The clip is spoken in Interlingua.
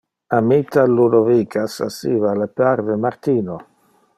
Amita Ludovica sasiva le parve Martino.